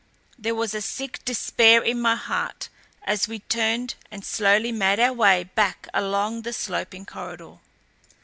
There was a sick despair in my heart as we turned and slowly made our way back along the sloping corridor.